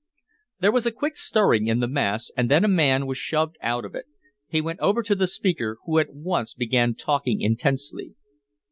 There was a quick stirring in the mass and then a man was shoved out of it. He went over to the speaker, who at once began talking intensely.